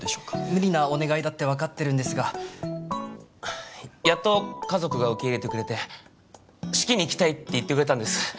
無理なお願いだって分かってるんですがやっと家族が受け入れてくれて式に来たいって言ってくれたんです